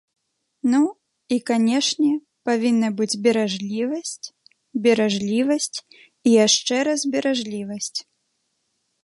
Ну, і, канешне, павінна быць беражлівасць, беражлівасць і яшчэ раз беражлівасць.